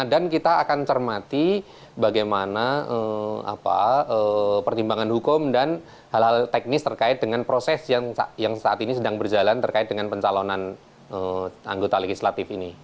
dan kita akan cermati bagaimana pertimbangan hukum dan hal hal teknis terkait dengan proses yang saat ini sedang berjalan terkait dengan pencalonan anggota legislatif ini